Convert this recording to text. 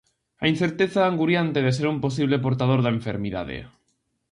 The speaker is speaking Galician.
A incerteza anguriante de ser un posible portador da enfermidade.